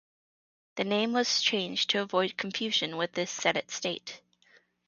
The name was changed to avoid confusion with this Sennett Estate.